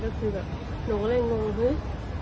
ก็คือแบบหนูก็เลยงงเฮ้ย